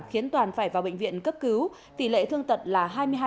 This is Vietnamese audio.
khiến toàn phải vào bệnh viện cấp cứu tỷ lệ thương tật là hai mươi hai